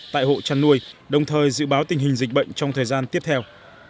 tại hộ chăn nuôi đồng thời dự báo tình hình dịch bệnh trong thời gian tiếp theo